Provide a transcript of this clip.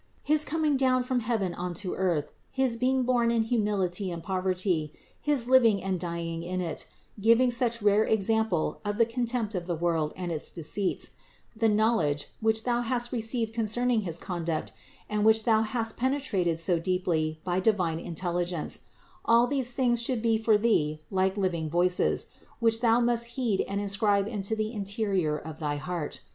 His coming down from heaven onto the earth, his being born in humility and poverty, his living and dying in it, giving such rare example of the contempt of the world and its deceits; the knowledge, which thou hast received concerning his conduct and which thou hast penetrated so deeply by divine intelligence : all these things should be for thee like living voices, which thou must heed and inscribe into the interior of thy heart.